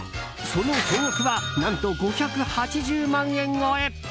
その総額は何と５８０万円超え。